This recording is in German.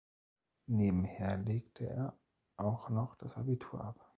Nebenher legte er auch noch das Abitur ab.